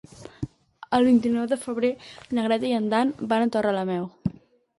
El vint-i-nou de febrer na Greta i en Dan van a Torrelameu.